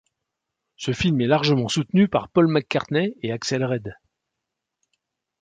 Ce film est largement soutenu par Paul McCartney et Axelle Red.